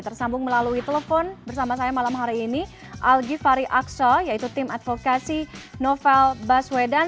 tersambung melalui telepon bersama saya malam hari ini algi fari aksa yaitu tim advokasi novel baswedan